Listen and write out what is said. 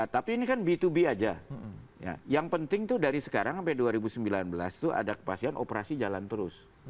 tapi ini kan b dua b aja yang penting tuh dari sekarang sampai dua ribu sembilan belas itu ada kepastian operasi jalan terus